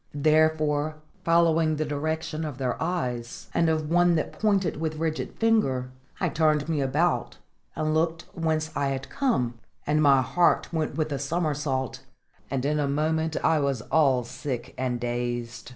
Therefore, following the direction of their eyes, and of one that pointed with rigid finger, I turned me about, and looked whence I had come; and my heart went with a somersault, and in a moment I was all sick and dazed.